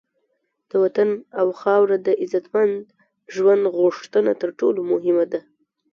د وطن او خاوره د عزتمند ژوند غوښتنه تر ټولو مهمه ده.